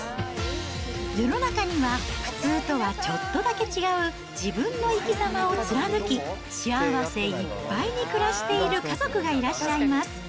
世の中には普通とはちょっとだけ違う、自分の生きざまを貫き、幸せいっぱいに暮らしている家族がいらっしゃいます。